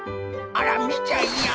あらみちゃいや！」。